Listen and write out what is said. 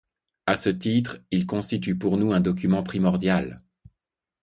À ce titre il constitue pour nous un document primordial.